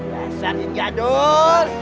lasar ini ya aduh